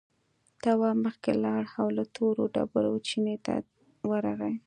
تواب مخکې لاړ او له تورو ډبرو چينې ته ورغی.